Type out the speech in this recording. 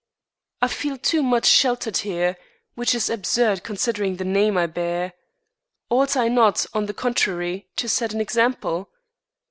"I feel too much sheltered here, which is absurd considering the name I bear. Ought I not, on the contrary, to set an example?"